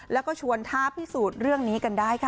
แล้วก็ชวนท่าพิสูจน์เรื่องนี้กันได้ค่ะ